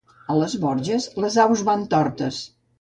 A les Borges les aus van tortes.